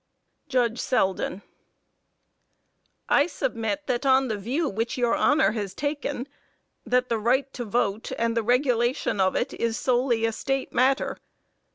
JUDGE SELDEN: I submit that on the view which your Honor has taken, that the right to vote and the regulation of it is solely a State matter.